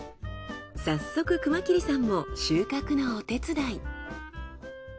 早速熊切さんも収穫のお手伝い。